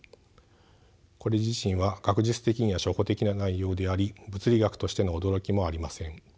これ自身は学術的には初歩的な内容であり物理学としての驚きもありません。